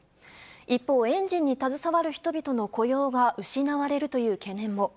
一方、エンジンに携わる人々の雇用が失われるという懸念も。